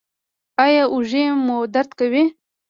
ایا اوږې مو درد کوي؟